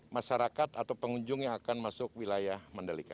masyarakat atau pengunjung yang akan masuk wilayah mandalika